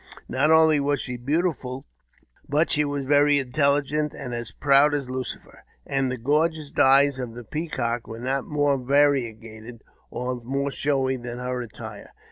Not only was she| beautiful, but she was very intelligent, and as proud as Lucifer ; and the gorgeous dyes of the peacock were not more variegated or more showy than her attire.